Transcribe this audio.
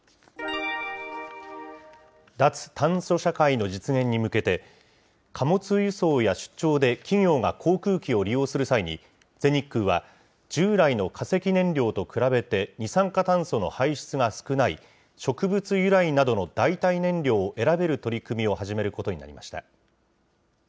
脱炭素社会の実現に向けて、貨物輸送や出張で企業が航空機を利用する際に、全日空は、従来の化石燃料と比べて二酸化炭素の排出が少ない、植物由来などの代替燃料を選べる取り組みを始めることになりました。